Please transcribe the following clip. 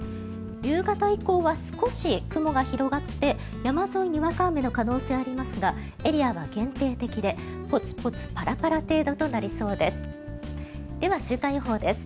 夕方以降は少し雲が広がって山沿いにわか雨の可能性がありますがエリアは限定的でポツポツ、パラパラ程度となりそうです。